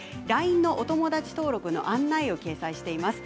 ＬＩＮＥのお友達登録の案内を掲載しています。